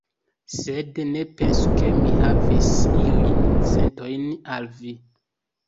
Sed ne pensu ke mi havis iujn sentojn al vi.